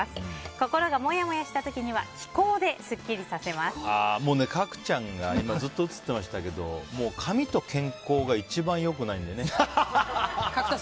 心がもやもやした時には気功でもうね、角ちゃんが今、ずっと映ってましたけど髪と健康が一番良くないんです。